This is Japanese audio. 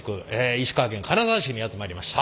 石川県金沢市にやって参りました。